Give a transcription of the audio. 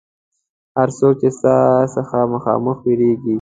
هر څوک چې ستا څخه مخامخ وېرېږي.